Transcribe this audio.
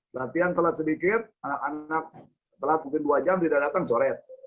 latihan telat sedikit anak anak telat mungkin dua jam tidak datang sore